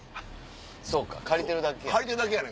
そっか借りてるだけや。